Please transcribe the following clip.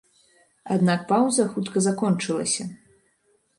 Аднак паўза хутка закончылася.